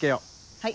はい。